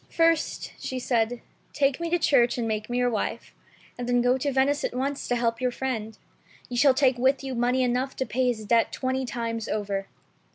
"First," she said, "take me to church and make me your wife, and then go to Venice at once to help your friend. You shall take with you money enough to pay his debt twenty times over."